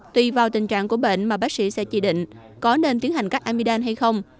tùy vào tình trạng của bệnh mà bác sĩ sẽ chỉ định có nên tiến hành cắt amidam hay không